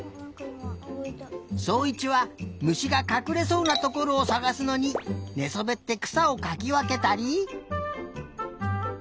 そういちはむしがかくれそうなところをさがすのにねそべってくさをかきわけたり。